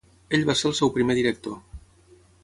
Ell va ser el seu primer director.